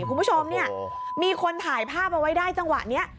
คุณผู้ชมเนี่ยมีคนถ่ายภาพเอาไว้ได้จังหวะนี้